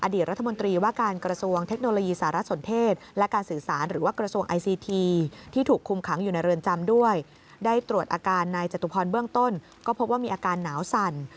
อดีตรัฐมนตรีว่าการกระทรวงเทคโนโลยีสารสนเทศ